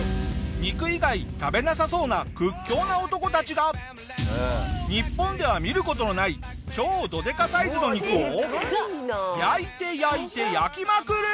肉以外食べなさそうな屈強な男たちが日本では見る事のない超ドデカサイズの肉を焼いて焼いて焼きまくる！